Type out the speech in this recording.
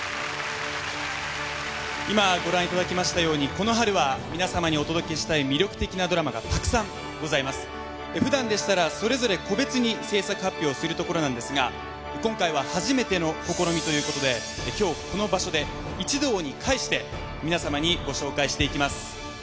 今ご覧いただきましたようにこの春は皆さまにお届けしたい魅力的なドラマがたくさんございますふだんでしたらそれぞれ個別に制作発表をするところなんですが今回は初めての試みということで今日この場所で一堂に会して皆さまにご紹介していきます